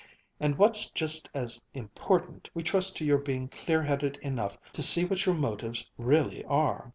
And, what's just as important, we trust to your being clear headed enough to see what your motives really are."